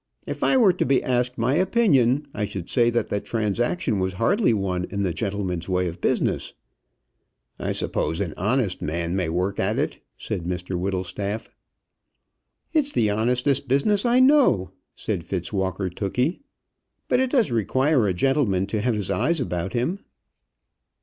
If I were to be asked my opinion, I should say that the transaction was hardly one in the gentleman's way of business." "I suppose an honest man may work at it," said Mr Whittlestaff. "It's the honestest business I know out," said Fitzwalker Tookey; "but it does require a gentleman to have his eyes about him."